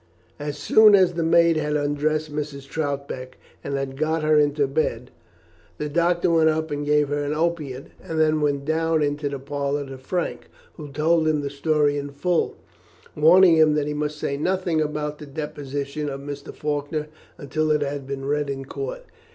As soon as the maid had undressed Mrs. Troutbeck, and had got her into bed, the doctor went up and gave her an opiate, and then went down into the parlour to Frank, who told him the story in full, warning him that he must say nothing about the deposition of Mr. Faulkner until it had been read in court.